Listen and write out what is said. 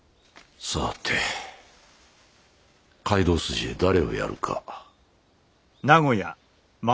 さて街道筋へ誰をやるか。